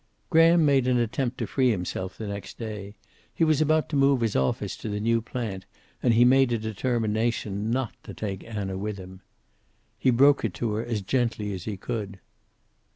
Graham made an attempt to free himself the next day. He was about to move his office to the new plant, and he made a determination not to take Anna with him. He broke it to her as gently as he could.